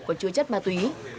và chứa chất ma túy